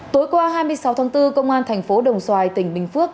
tối qua hai mươi sáu tháng bốn công an thành phố đồng xoài tỉnh bình phước